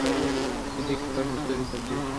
এদিকে কুরাইশরাও তৈরী থাকবে।